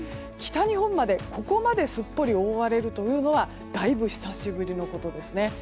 北日本まで、ここまですっぽり覆われるというのはだいぶ久しぶりのことですね。